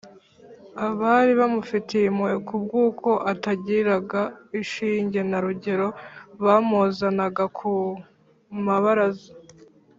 abari bamufitiye impuhwe kubw’uko atagiraga shinge na rugero bamuzanaga ku mabaraza